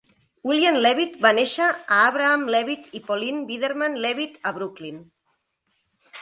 William Levitt va néixer a Abraham Levitt i Pauline Biederman Levitt a Brooklyn.